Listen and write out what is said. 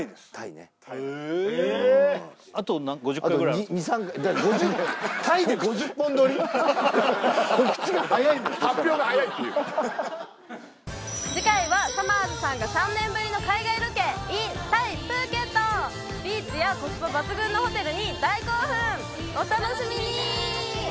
へえあと２３５０回発表が早いっていう次回はさまぁずさんが３年ぶりの海外ロケｉｎタイプーケットビーチやコスパ抜群のホテルに大興奮お楽しみに！